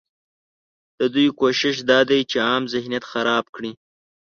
ددوی کوشش دا دی چې عام ذهنیت خراب کړي